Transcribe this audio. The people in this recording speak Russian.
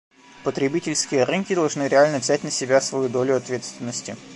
Потребительские рынки должны реально взять на себя свою долю ответственности.